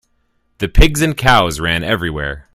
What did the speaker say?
The pigs and cows ran everywhere.